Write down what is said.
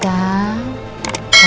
tarik lagi ya ibu